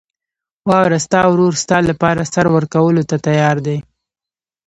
واوره، ستا ورور ستا لپاره سر ورکولو ته تیار دی.